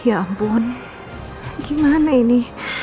hai ya ampun gimana ini